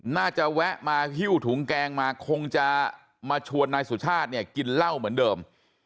แวะมาหิ้วถุงแกงมาคงจะมาชวนนายสุชาติเนี่ยกินเหล้าเหมือนเดิม